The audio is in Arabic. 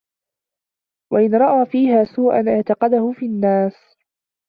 وَإِنْ رَأَى فِيهَا سُوءًا اعْتَقَدَهُ فِي النَّاسِ